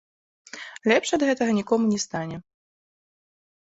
Лепш ад гэтага нікому не стане.